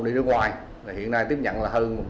đi nước ngoài hiện nay tiếp nhận là hơn